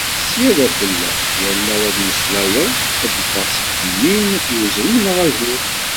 Sya d afella yal mi ara d-temmeslayeḍ, ad d-iﬀeɣ seg yimi-m uzrem neɣ agru.